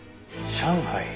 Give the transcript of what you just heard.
上海。